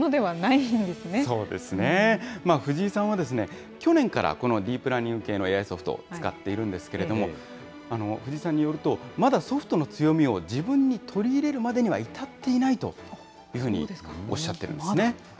藤井さんは去年からこのディープラーニング系のＡＩソフトを使っているんですけれども、藤井さんによると、まだソフトの強みを自分に取り入れるまでには至っていないというふうにおっしゃっているんですね。